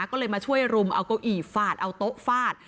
ก็เลยมาช่วยรุมเอาเก้าอี้ฟาดเอาโต๊ะฟาด